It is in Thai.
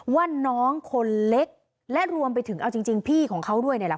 ว่าน้องคนเล็กและรวมไปถึงเอาจริงพี่ของเขาด้วยเนี่ยแหละ